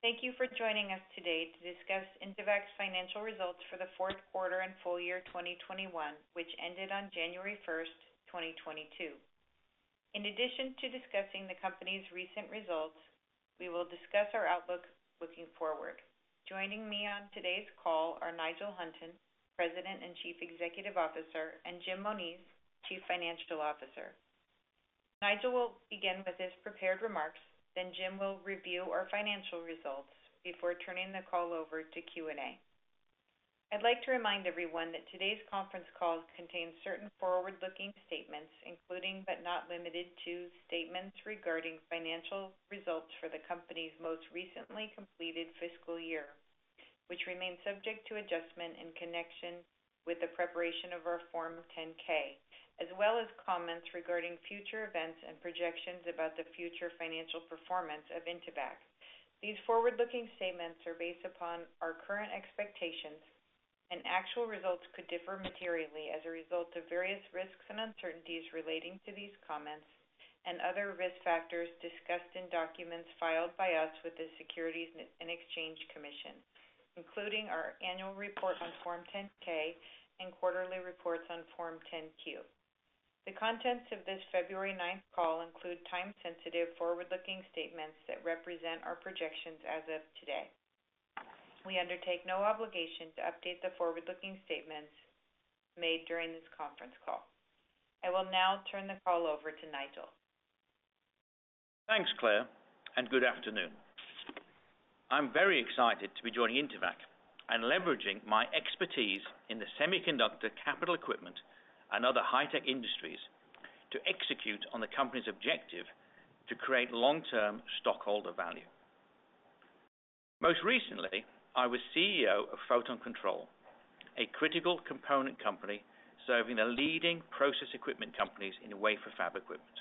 Thank you for joining us today to discuss Intevac's financial results for the fourth quarter and full year 2021, which ended on January 1, 2022. In addition to discussing the company's recent results, we will discuss our outlook looking forward. Joining me on today's call are Nigel Hunton, President and Chief Executive Officer, and Jim Moniz, Chief Financial Officer. Nigel will begin with his prepared remarks, then Jim will review our financial results before turning the call over to Q&A. I'd like to remind everyone that today's conference call contains certain forward-looking statements, including but not limited to statements regarding financial results for the company's most recently completed fiscal year, which remains subject to adjustment in connection with the preparation of our Form 10-K, as well as comments regarding future events and projections about the future financial performance of Intevac. These forward-looking statements are based upon our current expectations and actual results could differ materially as a result of various risks and uncertainties relating to these comments and other risk factors discussed in documents filed by us with the Securities and Exchange Commission, including our annual report on Form 10-K and quarterly reports on Form 10-Q. The contents of this February ninth call include time-sensitive forward-looking statements that represent our projections as of today. We undertake no obligation to update the forward-looking statements made during this conference call. I will now turn the call over to Nigel. Thanks, Claire, and good afternoon. I'm very excited to be joining Intevac and leveraging my expertise in the semiconductor capital equipment and other high-tech industries to execute on the company's objective to create long-term stockholder value. Most recently, I was CEO of Photon Control Inc., a critical component company serving the leading process equipment companies in wafer fab equipment.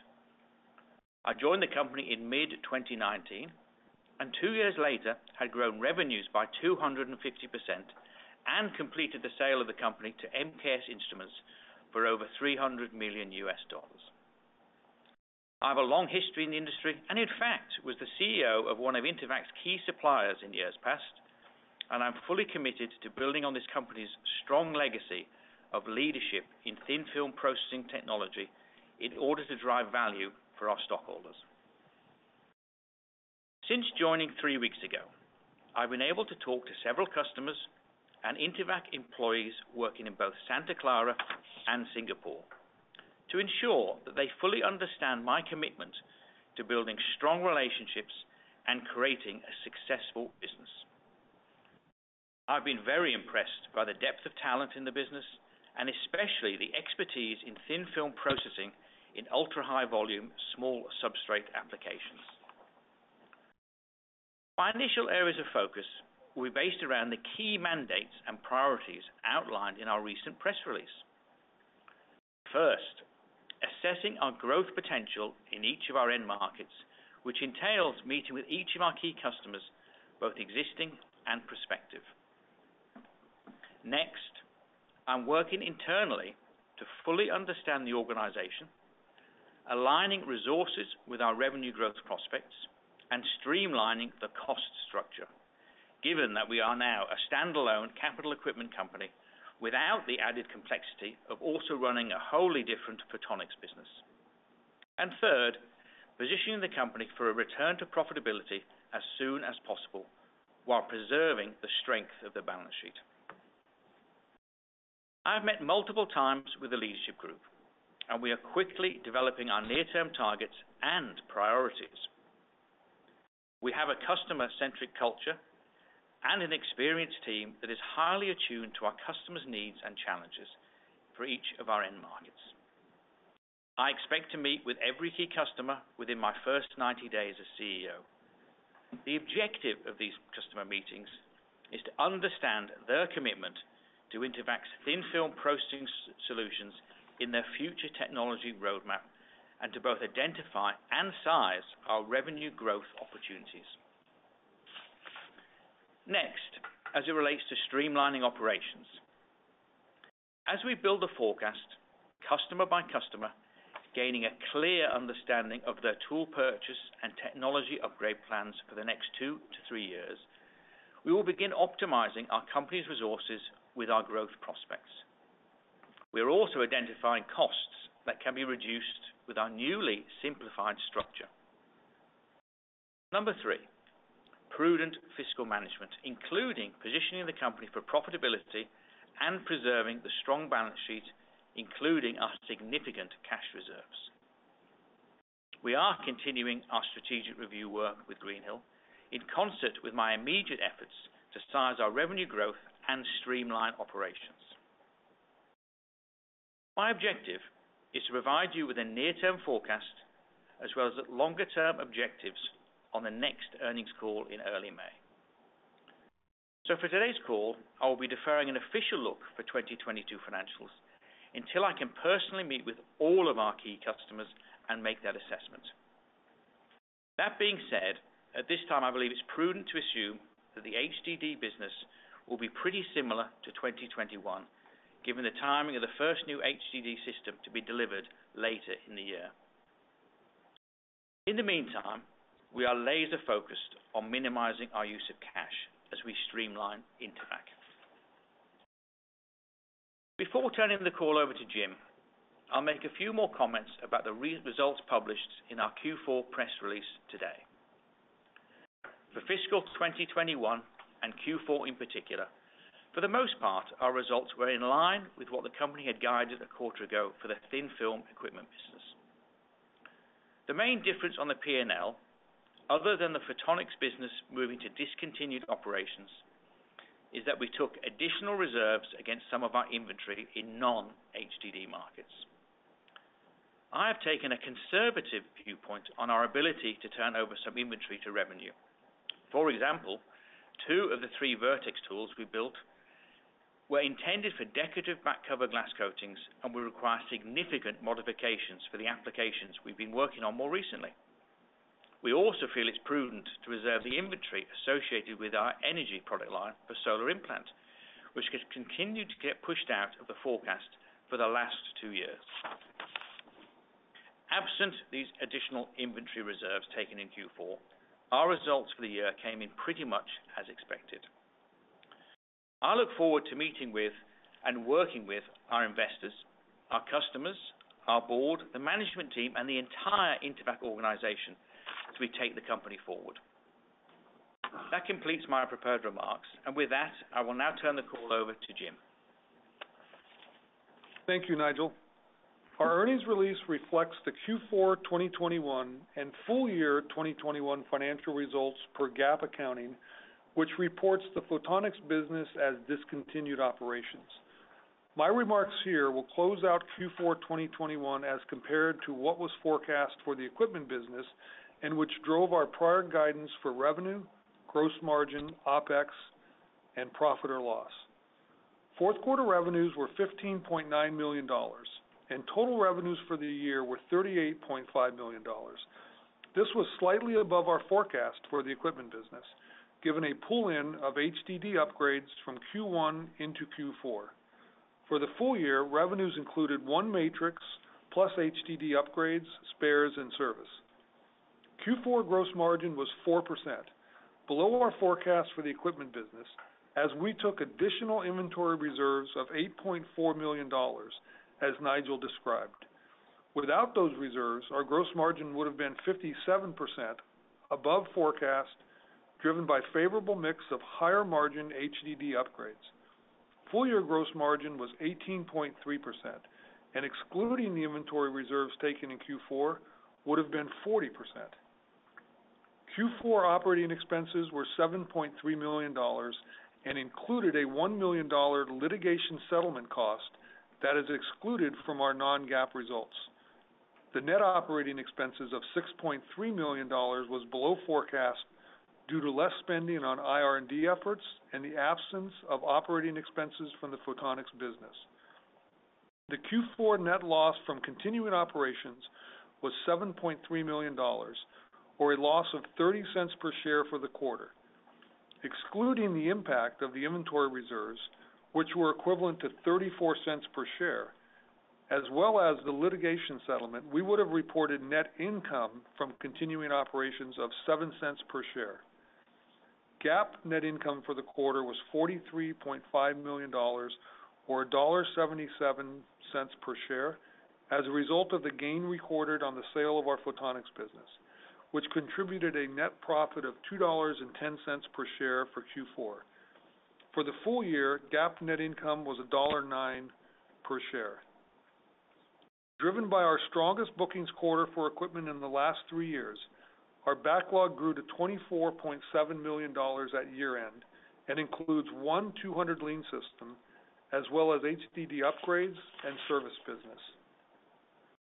I joined the company in mid-2019, and two years later had grown revenues by 250% and completed the sale of the company to MKS Instruments, Inc. for over $300 million. I have a long history in the industry, and in fact, was the CEO of one of Intevac's key suppliers in years past, and I'm fully committed to building on this company's strong legacy of leadership in thin-film processing technology in order to drive value for our stockholders. Since joining three weeks ago, I've been able to talk to several customers and Intevac employees working in both Santa Clara and Singapore to ensure that they fully understand my commitment to building strong relationships and creating a successful business. I've been very impressed by the depth of talent in the business and especially the expertise in thin-film processing in ultra-high volume, small substrate applications. My initial areas of focus will be based around the key mandates and priorities outlined in our recent press release. First, assessing our growth potential in each of our end markets, which entails meeting with each of our key customers, both existing and prospective. Next, I'm working internally to fully understand the organization, aligning resources with our revenue growth prospects, and streamlining the cost structure. Given that we are now a standalone capital equipment company without the added complexity of also running a wholly different Photonics business. Third, positioning the company for a return to profitability as soon as possible while preserving the strength of the balance sheet. I've met multiple times with the leadership group, and we are quickly developing our near-term targets and priorities. We have a customer-centric culture and an experienced team that is highly attuned to our customers' needs and challenges for each of our end markets. I expect to meet with every key customer within my first 90 days as CEO. The objective of these customer meetings is to understand their commitment to Intevac's thin-film processing solutions in their future technology roadmap, and to both identify and size our revenue growth opportunities. Next, as it relates to streamlining operations. As we build the forecast, customer by customer, gaining a clear understanding of their tool purchase and technology upgrade plans for the next two to three years, we will begin optimizing our company's resources with our growth prospects. We are also identifying costs that can be reduced with our newly simplified structure. Number three, prudent fiscal management, including positioning the company for profitability and preserving the strong balance sheet, including our significant cash reserves. We are continuing our strategic review work with Greenhill & Co. in concert with my immediate efforts to size our revenue growth and streamline operations. My objective is to provide you with a near-term forecast as well as the longer term objectives on the next earnings call in early May. For today's call, I will be deferring an official look for 2022 financials until I can personally meet with all of our key customers and make that assessment. That being said, at this time, I believe it's prudent to assume that the HDD business will be pretty similar to 2021. Given the timing of the first new HDD system to be delivered later in the year. In the meantime, we are laser focused on minimizing our use of cash as we streamline Intevac. Before turning the call over to Jim, I'll make a few more comments about the results published in our Q4 press release today. For fiscal 2021 and Q4 in particular, for the most part, our results were in line with what the company had guided a quarter ago for the thin-film equipment business. The main difference on the P&L, other than the Photonics business moving to discontinued operations, is that we took additional reserves against some of our inventory in non-HDD markets. I have taken a conservative viewpoint on our ability to turn over some inventory to revenue. For example, two of the three VERTEX tools we built were intended for decorative back cover glass coatings, and will require significant modifications for the applications we've been working on more recently. We also feel it's prudent to reserve the inventory associated with our ENERGi product line for solar implant, which has continued to get pushed out of the forecast for the last two years. Absent these additional inventory reserves taken in Q4, our results for the year came in pretty much as expected. I look forward to meeting with and working with our investors, our customers, our board, the management team, and the entire Intevac organization as we take the company forward. That completes my prepared remarks, and with that, I will now turn the call over to Jim. Thank you, Nigel. Our earnings release reflects the Q4 2021 and full year 2021 financial results per GAAP accounting, which reports the Photonics business as discontinued operations. My remarks here will close out Q4 2021 as compared to what was forecast for the equipment business and which drove our prior guidance for revenue, gross margin, OpEx, and profit or loss. Fourth quarter revenues were $15.9 million, and total revenues for the year were $38.5 million. This was slightly above our forecast for the equipment business, given a pull-in of HDD upgrades from Q1 into Q4. For the full year, revenues included one MATRIX plus HDD upgrades, spares, and service. Q4 gross margin was 4%, below our forecast for the equipment business as we took additional inventory reserves of $8.4 million, as Nigel described. Without those reserves, our gross margin would have been 57% above forecast, driven by favorable mix of higher margin HDD upgrades. Full-year gross margin was 18.3%, and excluding the inventory reserves taken in Q4 would have been 40%. Q4 operating expenses were $7.3 million and included a $1 million litigation settlement cost that is excluded from our non-GAAP results. The net operating expenses of $6.3 million was below forecast due to less spending on IR&D efforts and the absence of operating expenses from the Photonics business. The Q4 net loss from continuing operations was $7.3 million, or a loss of $0.30 per share for the quarter. Excluding the impact of the inventory reserves, which were equivalent to $0.34 per share, as well as the litigation settlement, we would have reported net income from continuing operations of $0.07 per share. GAAP net income for the quarter was $43.5 million, or $1.77 per share as a result of the gain recorded on the sale of our Photonics business, which contributed a net profit of $2.10 per share for Q4. For the full year, GAAP net income was $1.09 per share. Driven by our strongest bookings quarter for equipment in the last three years, our backlog grew to $24.7 million at year-end and includes one 200 Lean system as well as HDD upgrades and service business.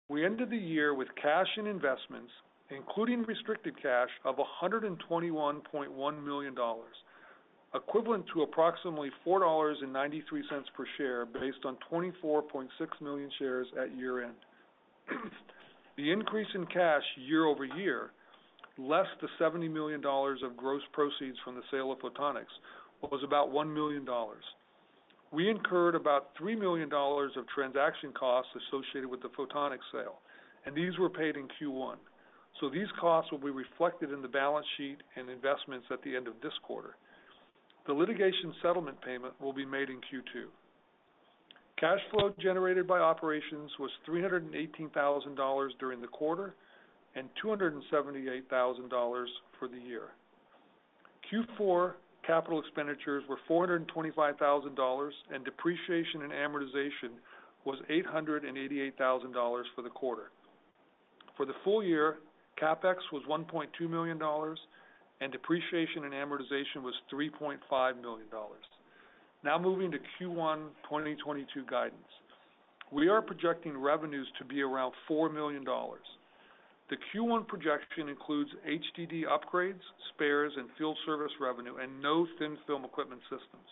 We ended the year with cash and investments, including restricted cash of $121.1 million, equivalent to approximately $4.93 per share based on 24.6 million shares at year-end. The increase in cash year over year less the $70 million of gross proceeds from the sale of Photonics was about $1 million. We incurred about $3 million of transaction costs associated with the Photonics sale, and these were paid in Q1. These costs will be reflected in the balance sheet and investments at the end of this quarter. The litigation settlement payment will be made in Q2. Cash flow generated by operations was $318,000 during the quarter and $278,000 for the year. Q4 capital expenditures were $425,000, and depreciation and amortization was $888,000 for the quarter. For the full year, CapEx was $1.2 million and depreciation and amortization was $3.5 million. Now moving to Q1 2022 guidance. We are projecting revenues to be around $4 million. The Q1 projection includes HDD upgrades, spares and field service revenue, and no thin-film equipment systems.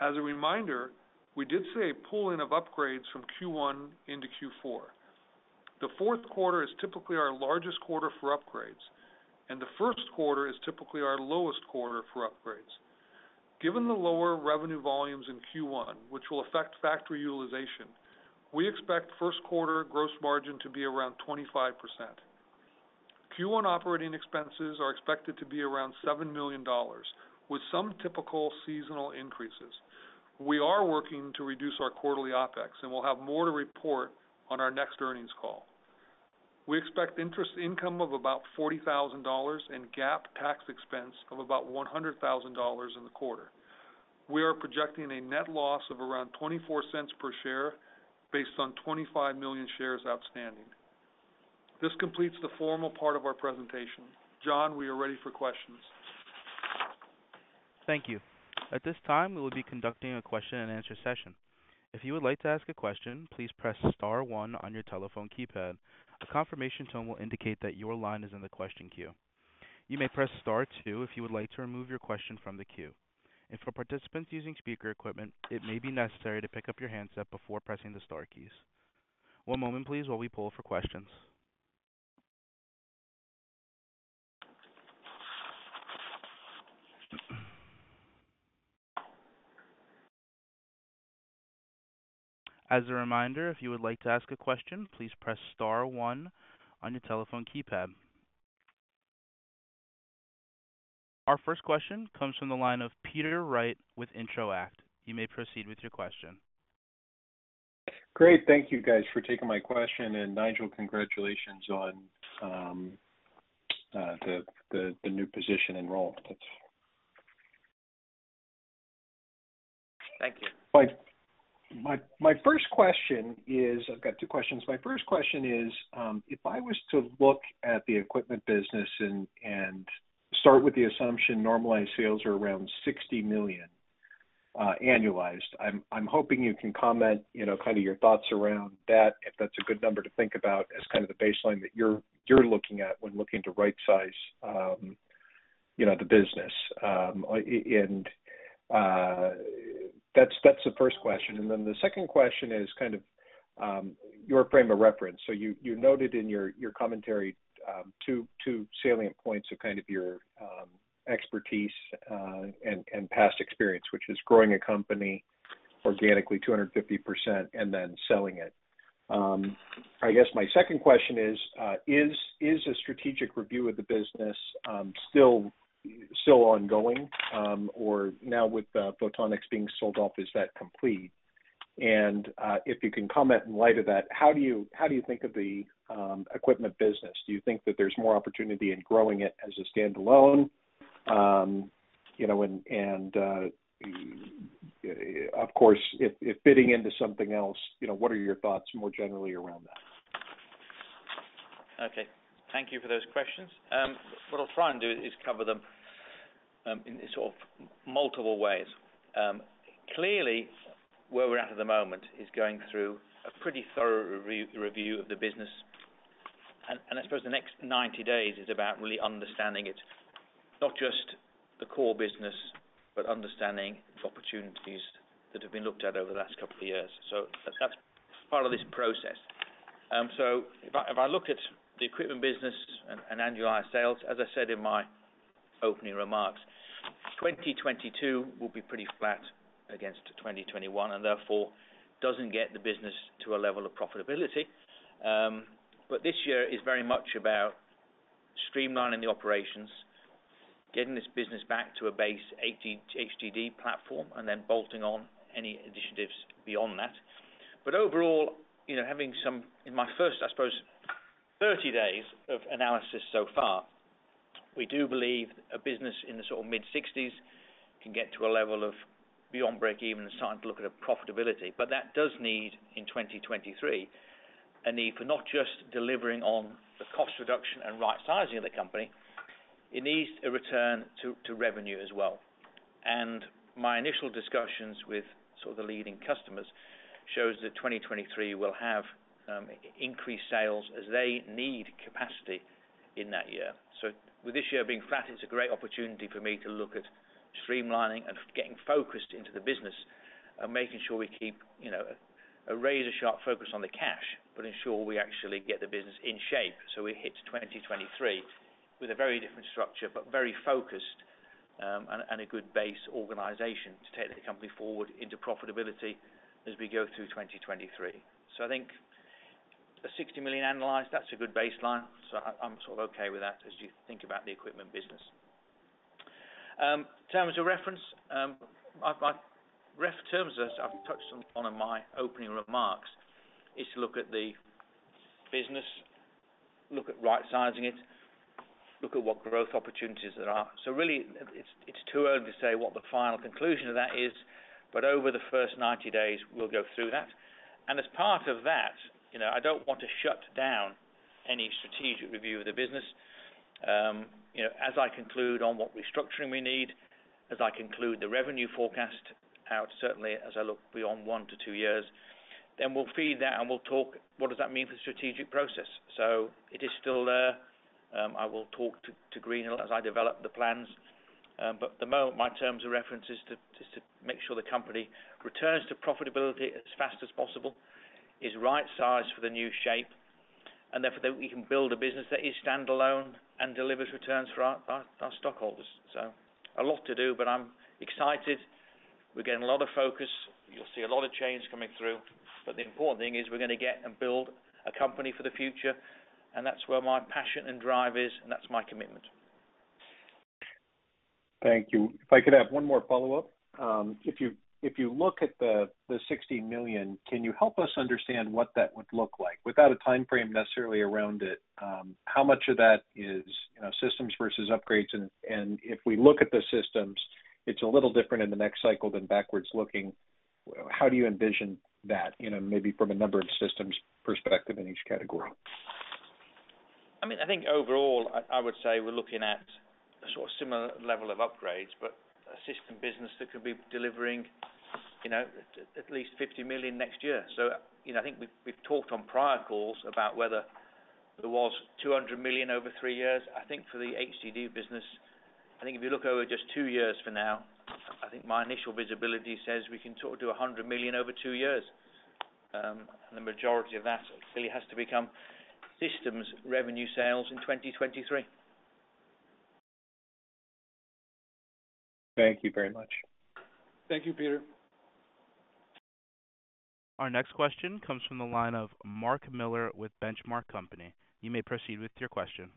As a reminder, we did see a pull-in of upgrades from Q1 into Q4. The fourth quarter is typically our largest quarter for upgrades, and the first quarter is typically our lowest quarter for upgrades. Given the lower revenue volumes in Q1, which will affect factory utilization, we expect first quarter gross margin to be around 25%. Q1 operating expenses are expected to be around $7 million, with some typical seasonal increases. We are working to reduce our quarterly OpEx, and we'll have more to report on our next earnings call. We expect interest income of about $40,000 and GAAP tax expense of about $100,000 in the quarter. We are projecting a net loss of around $0.24 per share based on 25 million shares outstanding. This completes the formal part of our presentation. John, we are ready for questions. Thank you. At this time, we will be conducting a question-and-answer session. If you would like to ask a question, please press star one on your telephone keypad. A confirmation tone will indicate that your line is in the question queue. You may press star two if you would like to remove your question from the queue. For participants using speaker equipment, it may be necessary to pick up your handset before pressing the star keys. One moment please while we poll for questions. As a reminder, if you would like to ask a question, please press star one on your telephone keypad. Our first question comes from the line of Peter Wright with Intro-act. You may proceed with your question. Great. Thank you guys for taking my question. Nigel, congratulations on the new position enrollment. Thank you. I've got two questions. My first question is, if I was to look at the equipment business and start with the assumption normalized sales are around $60 million annualized, I'm hoping you can comment, you know, kind of your thoughts around that, if that's a good number to think about as kind of the baseline that you're looking at when looking to rightsize, you know, the business. That's the first question. The second question is kind of your frame of reference. You noted in your commentary two salient points of kind of your expertise and past experience, which is growing a company organically 250% and then selling it. I guess my second question is a strategic review of the business still ongoing, or now with Photonics being sold off, is that complete? If you can comment in light of that, how do you think of the equipment business? Do you think that there's more opportunity in growing it as a standalone? You know, and of course, if fitting into something else, you know, what are your thoughts more generally around that? Okay, thank you for those questions. What I'll try and do is cover them, in sort of multiple ways. Clearly, where we're at the moment is going through a pretty thorough re-review of the business. I suppose the next 90 days is about really understanding it, not just the core business, but understanding the opportunities that have been looked at over the last couple of years. That's part of this process. If I look at the equipment business and annualized sales, as I said in my opening remarks, 2022 will be pretty flat against 2021, and therefore doesn't get the business to a level of profitability. This year is very much about streamlining the operations, getting this business back to a base HDD platform, and then bolting on any initiatives beyond that. Overall, you know, having some in my first, I suppose, 30 days of analysis so far, we do believe a business in the sort of mid-60s can get to a level of beyond break even and starting to look at a profitability. That does need, in 2023, a need for not just delivering on the cost reduction and rightsizing of the company, it needs a return to revenue as well. My initial discussions with sort of the leading customers shows that 2023 will have increased sales as they need capacity in that year. With this year being flat, it's a great opportunity for me to look at streamlining and getting focused into the business and making sure we keep, you know, a razor-sharp focus on the cash, but ensure we actually get the business in shape. We hit 2023 with a very different structure, but very focused, and a good base organization to take the company forward into profitability as we go through 2023. I think a $60 million annualized, that's a good baseline. I'm sort of okay with that as you think about the equipment business. Terms of reference, my terms of reference, as I've touched on in my opening remarks, is to look at the business, look at rightsizing it, look at what growth opportunities there are. Really, it's too early to say what the final conclusion of that is, but over the first 90 days, we'll go through that. As part of that, you know, I don't want to shut down any strategic review of the business. You know, as I conclude on what restructuring we need, as I conclude the revenue forecast out, certainly as I look beyond one to two years, then we'll feed that and we'll talk what does that mean for the strategic process. It is still there. I will talk to Greenhill as I develop the plans. At the moment, my terms of reference is to make sure the company returns to profitability as fast as possible, is right size for the new shape, therefore that we can build a business that is standalone and delivers returns for our stockholders. A lot to do, but I'm excited. We're getting a lot of focus. You'll see a lot of change coming through, but the important thing is we're gonna get and build a company for the future, and that's where my passion and drive is, and that's my commitment. Thank you. If I could have one more follow-up. If you look at the $60 million, can you help us understand what that would look like? Without a timeframe necessarily around it, how much of that is, you know, systems versus upgrades? If we look at the systems, it's a little different in the next cycle than backwards looking. How do you envision that, you know, maybe from a number of systems perspective in each category? I mean, I think overall I would say we're looking at sort of similar level of upgrades, but a system business that could be delivering, you know, at least $50 million next year. You know, I think we've talked on prior calls about whether there was $200 million over three years. I think for the HDD business, I think if you look over just two years for now, I think my initial visibility says we can talk to $100 million over two years. The majority of that clearly has to become systems revenue sales in 2023. Thank you very much. Thank you, Peter. Our next question comes from the line of Mark Miller with Benchmark Company. You may proceed with your question.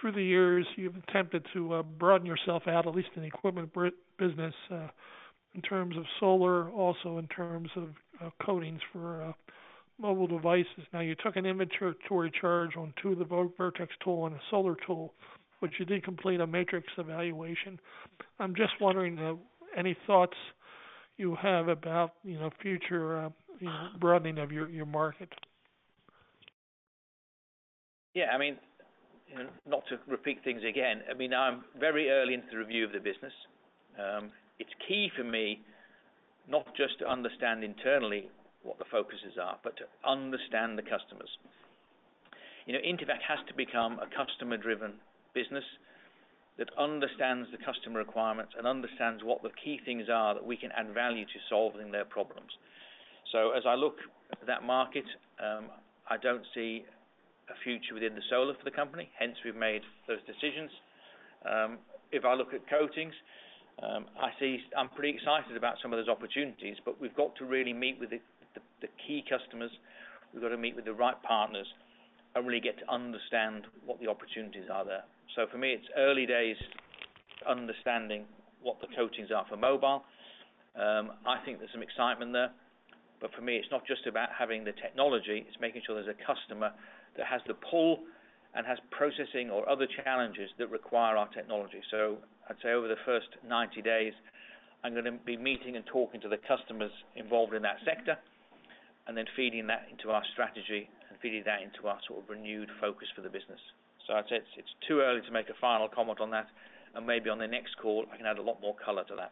Through the years, you've attempted to broaden yourself out, at least in the equipment business, in terms of solar, also in terms of coatings for mobile devices. Now, you took an inventory charge on two of the VERTEX tool and a solar tool, which you did complete a MATRIX evaluation. I'm just wondering any thoughts you have about, you know, future, you know, broadening of your market? Yeah. I mean, you know, not to repeat things again. I mean, I'm very early into the review of the business. It's key for me not just to understand internally what the focuses are, but to understand the customers. You know, Intevac has to become a customer-driven business that understands the customer requirements and understands what the key things are that we can add value to solving their problems. As I look at that market, I don't see a future within the solar for the company. Hence, we've made those decisions. If I look at coatings, I see. I'm pretty excited about some of those opportunities, but we've got to really meet with the key customers. We've got to meet with the right partners and really get to understand what the opportunities are there. For me, it's early days understanding what the coatings are for mobile. I think there's some excitement there, but for me, it's not just about having the technology, it's making sure there's a customer that has the pull and has processing or other challenges that require our technology. I'd say over the first 90 days, I'm gonna be meeting and talking to the customers involved in that sector and then feeding that into our strategy and feeding that into our sort of renewed focus for the business. I'd say it's too early to make a final comment on that. Maybe on the next call, I can add a lot more color to that.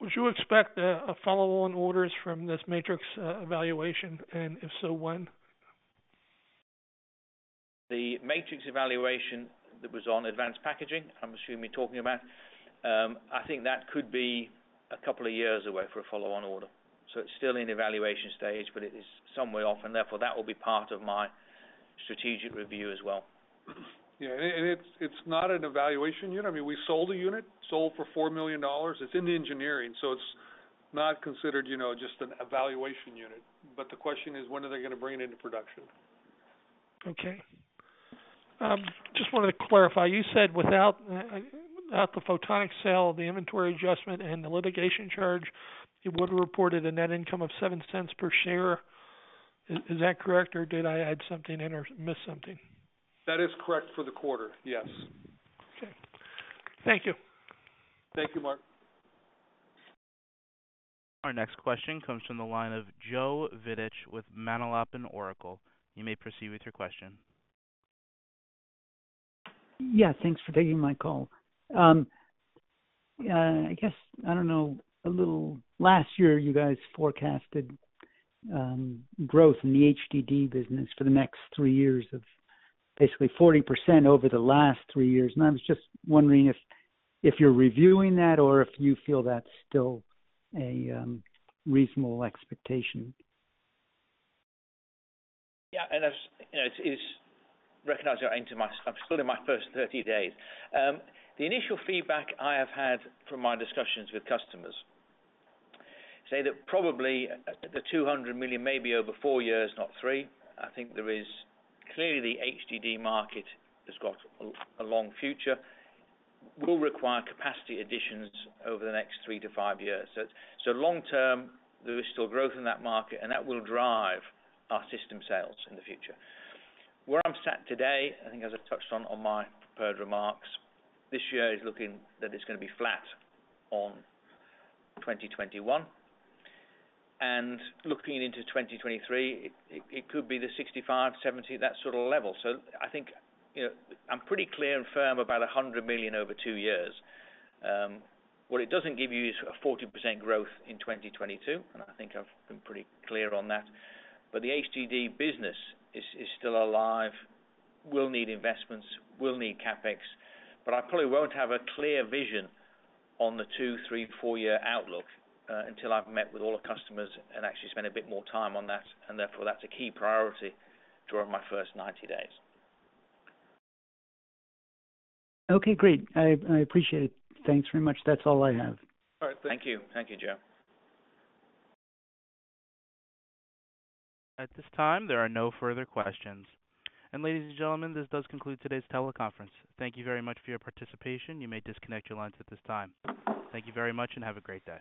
Would you expect a follow-on orders from this MATRIX evaluation? If so, when? The MATRIX evaluation that was on advanced packaging, I'm assuming you're talking about, I think that could be a couple of years away for a follow-on order. It's still in evaluation stage, but it is some way off. Therefore, that will be part of my strategic review as well. Yeah. It's not an evaluation unit. I mean, we sold a unit for $4 million. It's in the engineering, so it's not considered, you know, just an evaluation unit. The question is when are they gonna bring it into production? Okay. Just wanted to clarify. You said without the Photonics sale, the inventory adjustment and the litigation charge, you would've reported a net income of $0.07 per share. Is that correct, or did I add something in or miss something? That is correct for the quarter. Yes. Okay. Thank you. Thank you, Mark. Our next question comes from the line of Joe Vidich with Manalapan Oracle. You may proceed with your question. Yeah, thanks for taking my call. I guess, I don't know. Last year you guys forecasted growth in the HDD business for the next three years of basically 40% over the last three years, and I was just wondering if you're reviewing that or if you feel that's still a reasonable expectation. Yeah. As you know, recognize that I'm still in my first 30 days. The initial feedback I have had from my discussions with customers say that probably the $200 million may be over four years, not three. I think there is clearly the HDD market has got a long future. We'll require capacity additions over the next three to five years. Long term, there is still growth in that market, and that will drive our system sales in the future. Where I'm sat today, I think as I've touched on my prepared remarks, this year is looking that it's gonna be flat on 2021. Looking into 2023, it could be the $65-$70, that sort of level. I think, you know, I'm pretty clear and firm about $100 million over two years. What it doesn't give you is 40% growth in 2022, and I think I've been pretty clear on that. The HDD business is still alive. We'll need investments, we'll need CapEx, but I probably won't have a clear vision on the two-, three-, four-year outlook until I've met with all the customers and actually spent a bit more time on that. Therefore, that's a key priority during my first 90 days. Okay, great. I appreciate it. Thanks very much. That's all I have. All right, thank you. Thank you. Thank you, Joe. At this time, there are no further questions. Ladies and gentlemen, this does conclude today's teleconference. Thank you very much for your participation. You may disconnect your lines at this time. Thank you very much and have a great day.